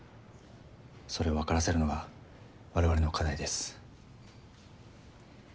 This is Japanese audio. それを分からせるのが我々の課題です。